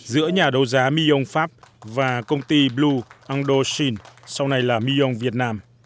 giữa nhà đấu giá miong pháp và công ty blue ando shin sau này là miong việt nam